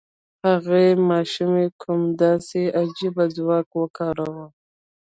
هغې ماشومې کوم داسې عجيب ځواک وکاراوه؟